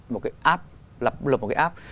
một cái app lập một cái app